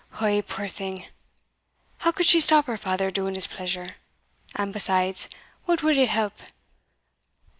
"Ou, puir thing, how could she stop her father doing his pleasure? and, besides, what wad it help?